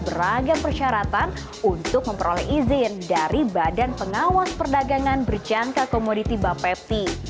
beragam persyaratan untuk memperoleh izin dari badan pengawas perdagangan berjangka komoditi bapepti